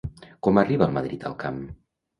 Com arriba el Madrid al camp?